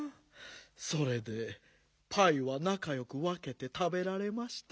それでパイはなかよくわけてたべられましたか？